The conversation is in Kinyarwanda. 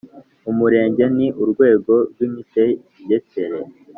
Umurenge ni urwego rw imitegekere